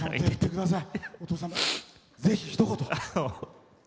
ぜひ、ひと言。